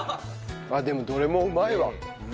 でもどれもうまいわ。